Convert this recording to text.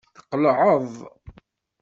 Tqelɛeḍ.